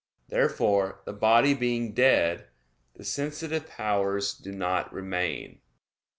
Therefore the body being dead, the sensitive powers do not remain.